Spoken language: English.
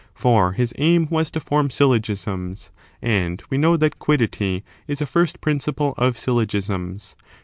For his aim was to form syllogisms, and we know that quid dity is a first principle of syllogisms.